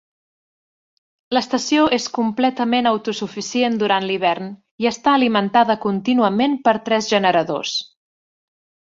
L'estació és completament autosuficient durant l'hivern, i està alimentada contínuament per tres generadors.